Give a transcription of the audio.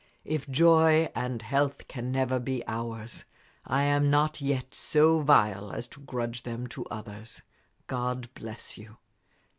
If joy and health can never be ours, I am not yet so vile as to grudge them to others. God bless you!